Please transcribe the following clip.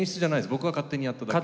僕が勝手にやっただけで。